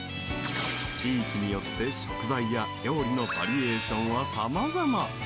地域によって食材や料理のバリエーションはさまざま。